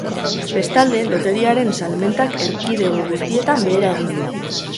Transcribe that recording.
Bestalde, loteriaren salmentak erkidego guztietan behera egin du.